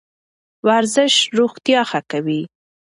ورزش روغتیا ښه کوي.